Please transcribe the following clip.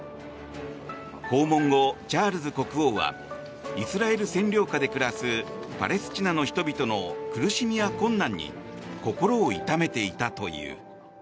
訪問後、チャールズ国王はイスラエル占領下で暮らすパレスチナの人々の苦しみや困難に心を痛めていたという。